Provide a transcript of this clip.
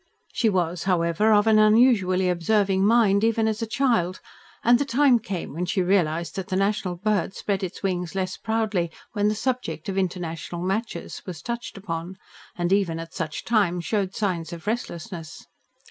She was, however, of an unusually observing mind, even as a child, and the time came when she realised that the national bird spread its wings less proudly when the subject of international matches was touched upon, and even at such times showed signs of restlessness.